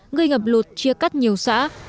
người ngập lụt chia cắt nhiều xã